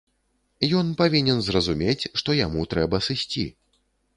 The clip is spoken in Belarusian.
Ён павінен зразумець, што яму трэба сысці.